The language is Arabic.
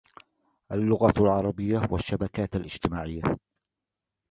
اللغة العربية والشبكات الاجتماعية